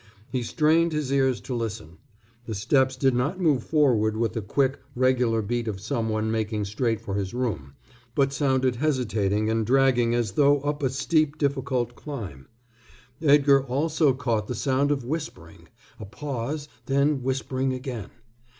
He strained his ears to listen. The steps did not move forward with the quick, regular beat of someone making straight for his room, but sounded hesitating and dragging as though up a steep, difficult climb. Edgar also caught the sound of whispering, a pause, then whispering again.